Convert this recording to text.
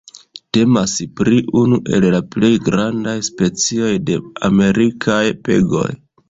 Temas pri unu el la plej grandaj specioj de amerikaj pegoj.